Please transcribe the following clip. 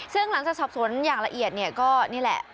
ซึ่งหลังจากสอบสนอย่างละเอียดนี่แหละ